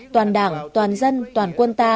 toàn đảng toàn dân toàn quân ta